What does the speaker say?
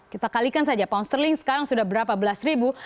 kita kalikan saja pound sterling sekarang sudah berapa belas ribu